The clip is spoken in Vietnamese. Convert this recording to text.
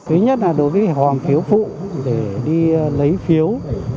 thứ nhất là đối với hòm phiếu phụ để đi lấy phiếu